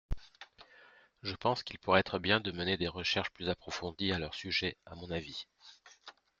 Je pense qu’il pourrait être bien de mener des recherches plus approfondies à leur sujet, à mon avis.